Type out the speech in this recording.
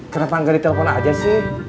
kenapa nggak ditelepon aja sih